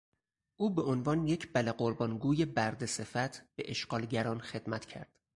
او به عنوان یک بله قربان گوی برده صفت به اشغالگران خدمت کرد.